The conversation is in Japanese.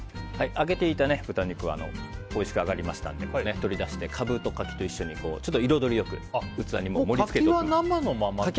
揚げていた豚肉はおいしく揚がりましたので取り出してカブと柿と一緒にちょっと彩りよく器に盛り付けておきました。